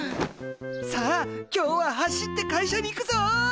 さあ今日は走って会社に行くぞ！